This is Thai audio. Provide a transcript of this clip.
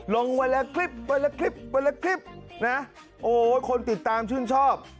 ลงวันแรกคลิปวันแรกคลิปวันแรกคลิปคนติดตามชื่นชอบ